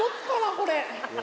これ。